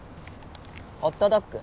ホットドッグ。